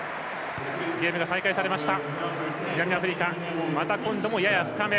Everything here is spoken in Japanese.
ゲームが再開されました。